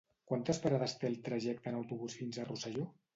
Quantes parades té el trajecte en autobús fins a Rosselló?